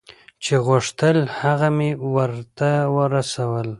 چې غوښتل هغه مې ورته رسول.